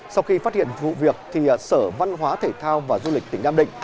sau khi phát hiện vụ việc sở văn hóa thể thao và du lịch tỉnh nam định